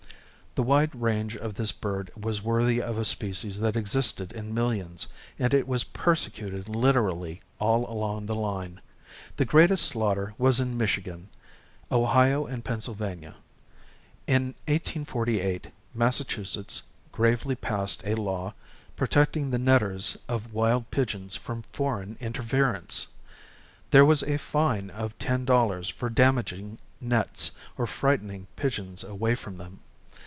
The wide range of this bird was worthy of a species that existed in millions, and it was persecuted literally all along the line. The greatest slaughter was in Michigan, Ohio and Pennsylvania. In 1848 Massachusetts gravely passed a law protecting the netters of wild pigeons from foreign interference! There was a fine of $10 for damaging nets, or frightening pigeons away from them.